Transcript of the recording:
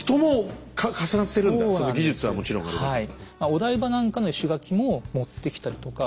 お台場なんかの石垣も持ってきたりとか。